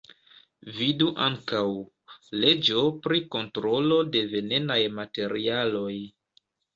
Vidu ankaŭ: leĝo pri kontrolo de venenaj materialoj.